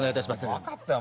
分かったよ